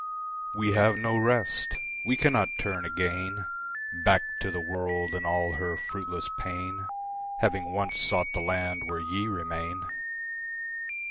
We have no rest. We cannot turn again Back to the world and all her fruitless pain, Having once sought the land where ye remain.